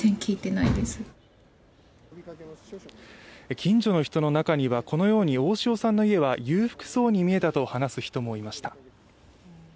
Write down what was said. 近所の人の中にはこのように大塩さんの家は裕福そうに見えたと話す人もいました。